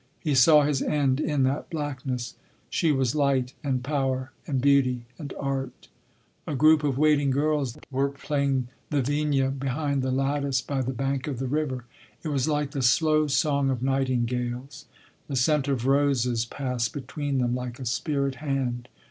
He saw his end in that blackness. She was light and power and beauty and art. A group of waiting girls were playing the vina, behind the lattice by the bank of the river. It was like the slow song of nightingales. The scent of roses passed between them like a spirit hand.